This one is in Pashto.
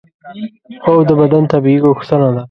خوب د بدن طبیعي غوښتنه ده